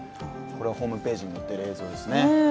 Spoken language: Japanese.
これはホームページに載っている映像です。